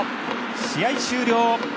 試合終了。